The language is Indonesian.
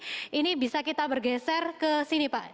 jadi dari sisi sini ini bisa kita bergeser ke sini pak